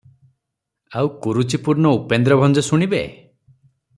ଆଉ କୁରୁଚିପୂର୍ଣ୍ଣ ଉପେନ୍ଦ୍ରଭଞ୍ଜ ଶୁଣିବେ?